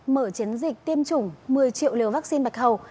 mở chiến dịch tiêm chủng một mươi triệu liều vaccine bạch hầu